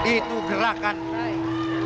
itu gerakan baik